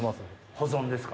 保存ですか？